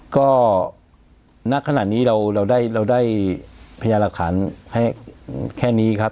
ก็ณขณะนี้เราได้พยาหลักฐานให้แค่นี้ครับ